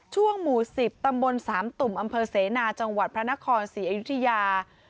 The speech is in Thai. ช่วงหมู่๑๐ตำบลสามตุ่มอำเภอเสนาจังหวัดพระนครศรีอยุธยา